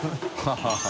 ハハハ